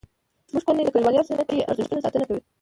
زموږ کورنۍ د کلیوالي او سنتي ارزښتونو ساتنه کوي